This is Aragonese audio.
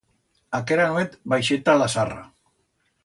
Aquera nuet baixé ta La Sarra.